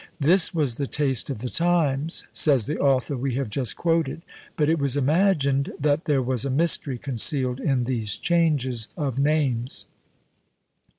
"This was the taste of the times," says the author we have just quoted; but it was imagined that there was a mystery concealed in these changes of names.